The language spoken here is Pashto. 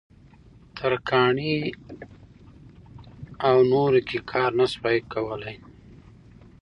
ترکاڼۍ او نورو کې کار نه شوای کولای.